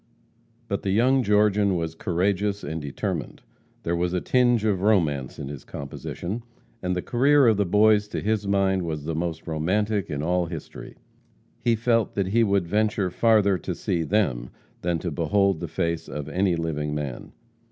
But the young Georgian was courageous and determined. There was a tinge of romance in his composition, and the career of the Boys, to his mind, was the most romantic in all history. He felt that he would venture farther to see them than to behold the face of any living man.